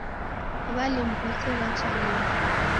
W'alimu wose wacha linu